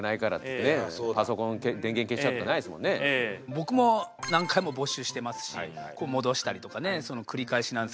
僕も何回も没収してますし戻したりとかその繰り返しなんですけど。